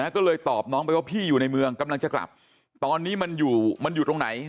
ก็เลยตอบน้องไปว่าพี่อยู่ในเมืองกำลังจะกลับตอนนี้มันอยู่มันอยู่ตรงไหน